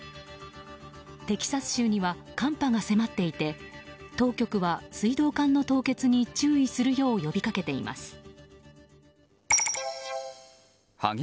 テキサス州には寒波が迫っていて当局は水道管の凍結に注意するよう呼びかけています。